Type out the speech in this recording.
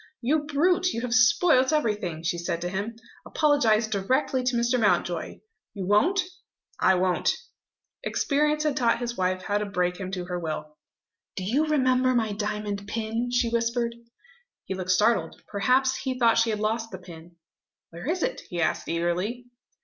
"You brute, you have spoilt everything!" she said to him. "Apologise directly to Mr. Mountjoy. You won't?" "I won't!" Experience had taught his wife how to break him to her will. "Do you remember my diamond pin?" she whispered. He looked startled. Perhaps he thought she had lost the pin. "Where is it?" he asked eagerly.